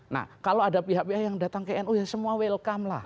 nah kalau ada pihak pihak yang datang ke nu ya semua welcome lah